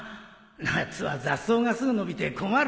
夏は雑草がすぐ伸びて困るなあ